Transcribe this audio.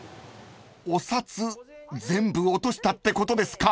［お札全部落としたってことですか？］